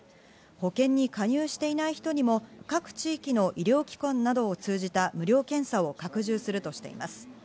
保険に加入していない人にも各地域の医療機関などを通じた無料検査を拡充するとしています。